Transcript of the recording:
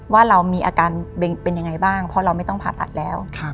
ว่าเรามีอาการเป็นยังไงบ้างเพราะเราไม่ต้องผ่าตัดแล้ว